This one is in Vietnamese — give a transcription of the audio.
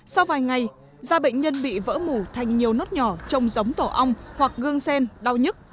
sau vài ngày da bệnh nhân bị vỡ mủ thành nhiều nốt nhỏ trông giống tổ ong hoặc gương sen đau nhức